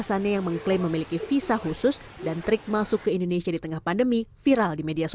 saya tidak membuat uang di indonesia rupiah di indonesia